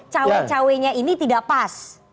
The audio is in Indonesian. cawe cawe nya ini tidak pas